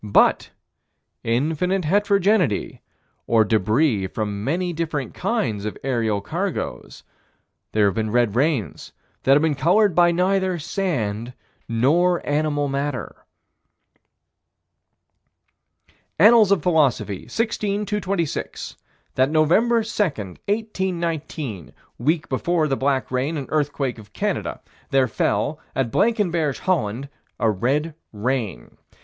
But infinite heterogeneity or débris from many different kinds of aerial cargoes there have been red rains that have been colored by neither sand nor animal matter. Annals of Philosophy, 16 226: That, Nov. 2, 1819 week before the black rain and earthquake of Canada there fell, at Blankenberge, Holland, a red rain.